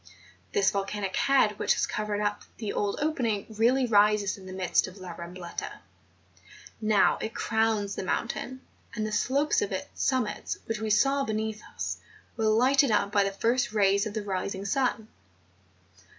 This volcanic head which has covered up the old opening really rises in the midst of La Rambleta ; now it crowns the mountain, and the slopes of its summit which we saw beneath us, were lighted up by the first rays of the rising sun.